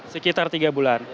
sekitar tiga bulan